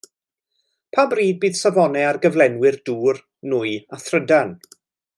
Pa bryd bydd safonau ar gyflenwyr dŵr, nwy a thrydan?